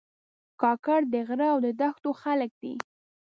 کاکړ د غره او دښتو خلک دي.